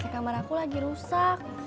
di kamar aku lagi rusak